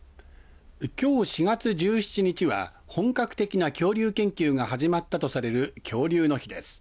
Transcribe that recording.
きょう４月１７日は本格的な恐竜研究が始まったとされる恐竜の日です。